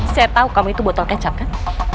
saya tahu kamu itu botol kecap kan